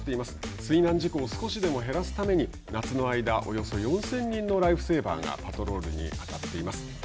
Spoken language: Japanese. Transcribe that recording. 水難事故を少しでも減らすために夏の間、およそ４０００人のライフセーバーがパトロールに当たっています。